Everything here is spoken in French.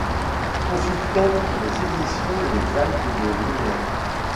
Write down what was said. Consultant pour les éditions Les Alpes de Lumière.